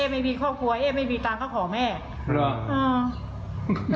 ปกติสอสอเขาทำงานอะไรแต่เดิม